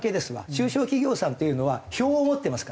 中小企業さんというのは票を持ってますから。